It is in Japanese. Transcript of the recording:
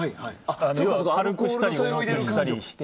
要は軽くしたり重くしたりして。